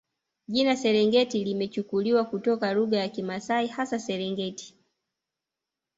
Jina Serengeti limechukuliwa kutoka lugha ya Kimasai hasa Serengeti